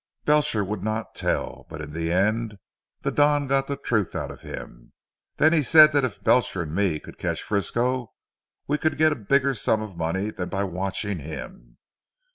Belcher would not tell, but in the end, the Don got the truth out of him. Then he said that if Belcher and me could catch Frisco we could get a bigger sum of money, than by watching him.